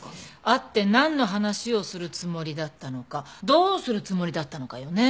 会ってなんの話をするつもりだったのかどうするつもりだったのかよね。